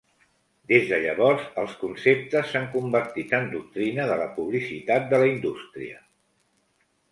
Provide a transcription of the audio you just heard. Des de llavors, els conceptes s'han convertit en doctrina de la publicitat de la indústria.